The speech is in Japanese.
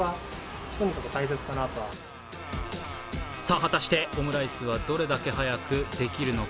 果たしてオムライスはどれだけ早くできるのか。